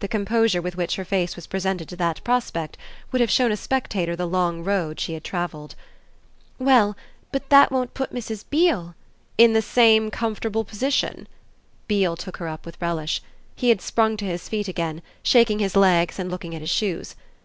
The composure with which her face was presented to that prospect would have shown a spectator the long road she had travelled. "Well, but that won't put Mrs. Beale " "In the same comfortable position ?" Beale took her up with relish; he had sprung to his feet again, shaking his legs and looking at his shoes.